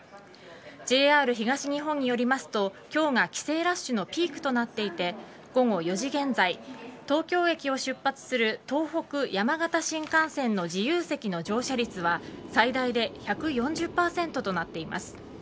ＪＲ東日本によりますと今日が帰省ラッシュのピークとなっていて午後４時現在東京駅を出発する東北・山形新幹線の自由席の乗車率は最大で１４０％となっています。